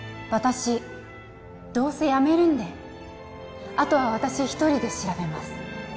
私どうせ辞めるんであとは私一人で調べます